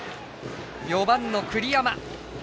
４番の栗山。